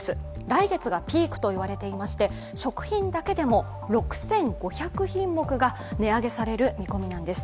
来月がピークといわれていまして食品だけでも６５００品目が値上げされる見込みなんです。